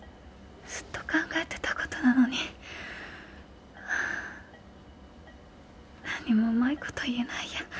ずっと考えてたことなのに何にもうまいこと言えないや。